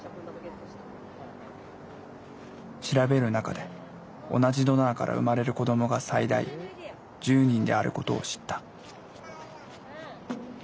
調べる中で同じドナーから生まれる子どもが最大１０人であることを知った。